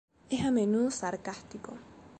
Es a menudo sarcástico.